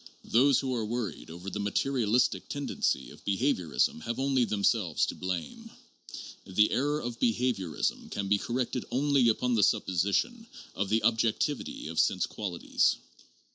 Those who are worried over the material istic tendency of behaviorism have only themselves to blame; the error of behaviorism can be corrected only upon the supposition of the objectivity of sense qualities.